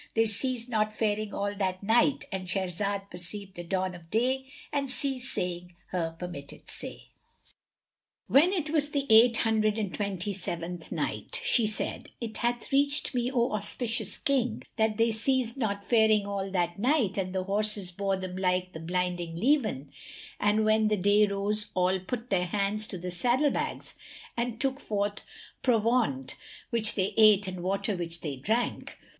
They ceased not faring all that night.—And Shahrazad perceived the dawn of day and ceased saying her permitted say. When it was the Eight Hundred and Twenty seventh Night, She said, It hath reached me, O auspicious King, that they ceased not faring all that night and the horses bore them like the blinding leven, and when the day rose all put their hands to the saddle bags and took forth provaunt which they ate and water which they drank.